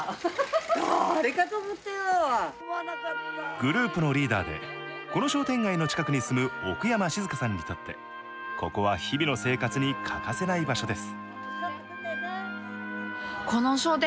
グループのリーダーで、この商店街の近くに住む奥山静香さんにとって、ここは日々の生活に欠かせない場所です。